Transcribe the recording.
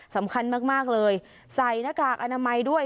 สำคัญมากเลยใส่หน้ากากอนามัยด้วย